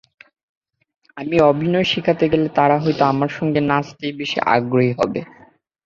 আমি অভিনয় শেখাতে গেলে তারা হয়তো আমার সঙ্গে নাচতেই বেশি আগ্রহী হবে।